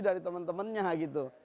dari teman temannya gitu